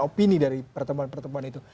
opini dari pertemuan pertemuan itu